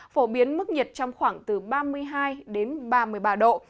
phổ biến mức nhiệt trong khoảng từ ba mươi hai ba mươi ba độ